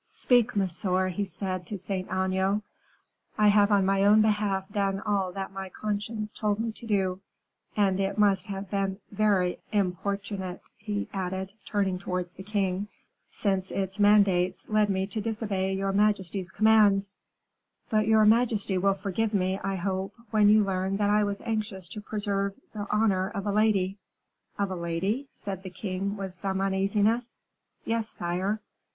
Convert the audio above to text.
"Speak, monsieur," he said to Saint Aignan; "I have on my own behalf done all that my conscience told me to do; and it must have been very importunate," he added, turning towards the king, "since its mandates led me to disobey your majesty's commands; but your majesty will forgive me, I hope, when you learn that I was anxious to preserve the honor of a lady." "Of a lady?" said the king, with some uneasiness. "Yes, sire."